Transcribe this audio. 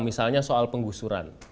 misalnya soal penggusuran